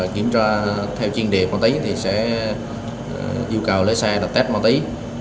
kiểm tra theo chuyên đề ma túy thì sẽ yêu cầu lấy xe là test ma túy